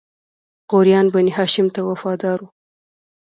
غوریان بنی هاشم ته وفادار وو.